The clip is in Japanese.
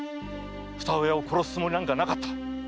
〔二親を殺すつもりなんかなかった〕